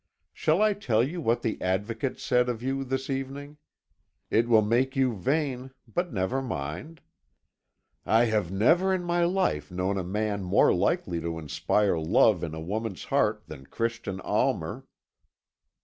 Shall I tell you what the Advocate said of you this evening? It will make you vain, but never mind. 'I have never in my life known a man more likely to inspire love in a woman's heart than Christian Almer.'